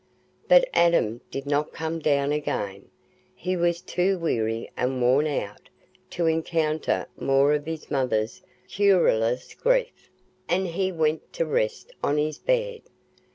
But Adam did not come down again; he was too weary and worn out to encounter more of his mother's querulous grief, and he went to rest on his bed.